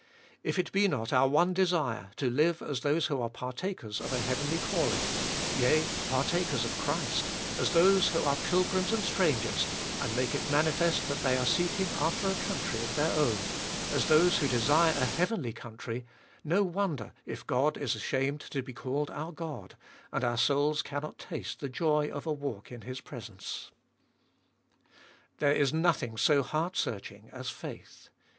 If it be not our one desire to live as those who are partakers of a heavenly calling, yea, partakers of Christ, as those who are pilgrims and strangers, and make it manifest that they are seeking after a country of their own, as those who desire a heavenly country, no wonder if God is ashamed to be called our God, and our souls cannot taste the joy of a walk in His presence. There is nothing so heart searching as faith.